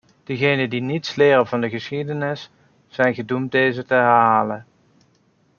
Degenen die niets leren van de geschiedenis zijn gedoemd deze te herhalen.